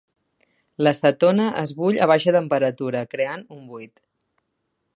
L"acetona es bull a baixa temperatura creant un buit.